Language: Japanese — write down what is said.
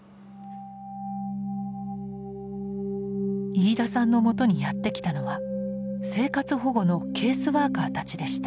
飯田さんのもとにやって来たのは生活保護のケースワーカーたちでした。